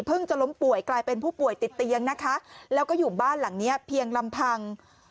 จะล้มป่วยกลายเป็นผู้ป่วยติดเตียงนะคะแล้วก็อยู่บ้านหลังเนี้ยเพียงลำพัง